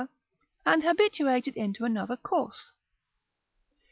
and habituated into another course.